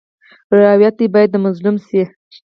روایت باید د مظلوم شي.